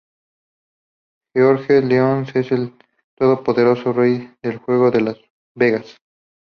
Georges Leon es el todopoderoso rey del juego de Las Vegas.